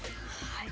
はい。